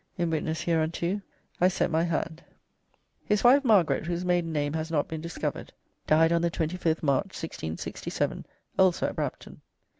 "In witness hereunto I set my hand." His wife Margaret, whose maiden name has not been discovered, died on the 25th March, 1667, also at Brampton.